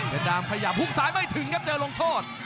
เป็นดามขยับหุ้กซ้ายไม่ถึงครับเจอลงโทษ